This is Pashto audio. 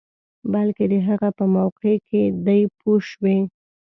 بلکې د هغه په موقع کې دی پوه شوې!.